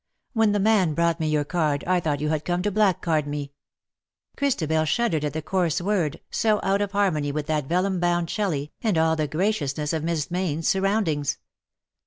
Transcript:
When the man brought me your card I thought you had come to blackguard me.^' Christabel shuddered at the coarse word, so out of harmony with that vellum bound Shelley, and all the graciousness of Miss Mayne^s surroundings.